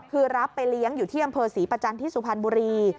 คือรับไปเลี้ยงอยู่ที่อำเภอศรีประจันทร์ที่สุพรรณบุรี